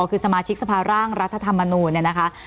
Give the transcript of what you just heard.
คือสมาชิกสภาร่างรัฐธรรมนุญนะคะ